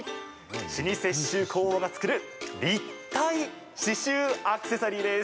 老舗刺しゅう工房が作る立体刺しゅうアクセサリーです。